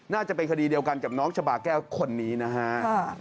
น่าจะเป็นคดีเดียวกันกับน้องชะบาแก้วคนนี้นะฮะ